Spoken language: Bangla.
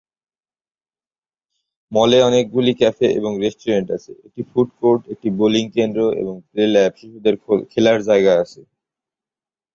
মলে অনেকগুলি ক্যাফে এবং রেস্টুরেন্ট আছে, একটি ফুড কোর্ট, একটি বোলিং কেন্দ্র, এবং "প্লে ল্যাব" শিশুদের খেলার জায়গা আছে।